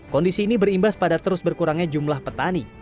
kondisi ini berimbas pada terus berkurangnya jumlah petani